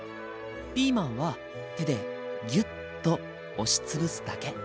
ピーマンは手でギュッと押しつぶすだけ。